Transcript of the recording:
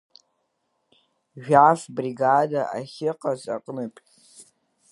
Жәаф бригада ахьыҟаз аҟнытә.